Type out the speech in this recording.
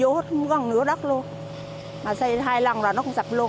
vô hết gần nửa đất luôn mà xây hai lần rồi nó cũng sập luôn